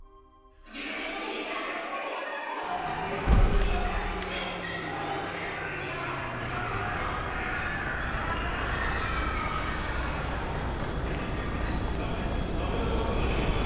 わーっ‼さあ負けた罰は何がいいかな？